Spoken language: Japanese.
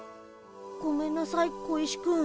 ごめんなさい小石くん。